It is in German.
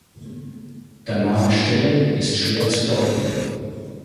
Der Name Stelle ist schwer zu deuten.